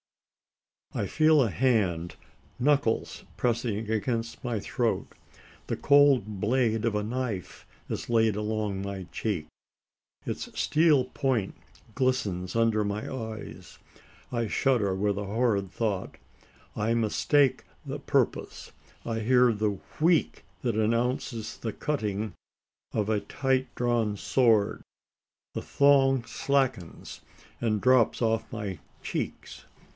I feel a hand knuckles pressing against my throat; the cold blade of a knife is laid along my cheek; its steel point glistens under my eyes. I shudder with a horrid thought. I mistake the purpose. I hear the "wheek" that announces the cutting of a tight drawn cord. The thong slackens, and drops off from my cheeks.